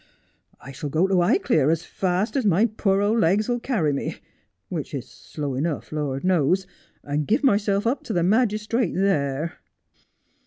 ' I shall go to Highclere as fast as my poor old legs will carry me — which is slow enough, Lord knows — and give myself up to the magistrate there.'